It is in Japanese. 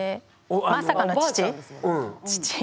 まさかの父父に。